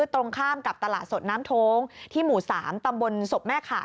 ตรงข้ามกับตลาดสดน้ำโท้งที่หมู่๓ตำบลศพแม่ขา